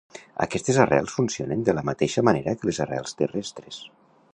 Aquestes arrels funcionen de la mateixa manera que les arrels terrestres.